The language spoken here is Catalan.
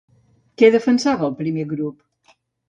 Què defensava el primer grup?